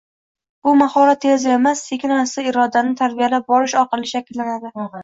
Bu mahorat tezda emas, sekin-asta irodani tarbiyalab borish orqali shakllanadi.